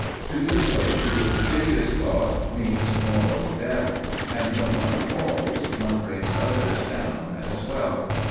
To give way to the perfidious thought means moral death, and when one falls, one brings others down as well.